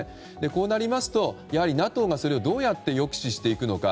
こうなりますと、やはりＮＡＴＯがどうやって抑止していくのか。